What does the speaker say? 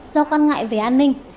do quan ngại về an ninh